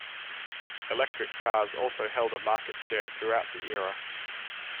Electric cars also held a market share throughout the era.